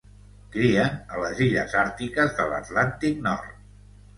Crien a les illes àrtiques de l'Atlàntic Nord.